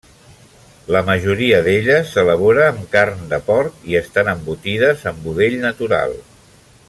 La majoria d'elles s'elabora amb carn de porc i estan embotides en budell natural.